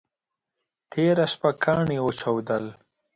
تېره شپه ګاڼي وچودل.